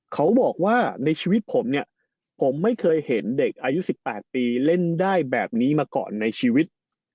เขาบอกว่าในชีวิตผมเนี่ยผมไม่เคยเห็นเด็กอายุ๑๘ปีเล่นได้แบบนี้มาก่อนในชีวิต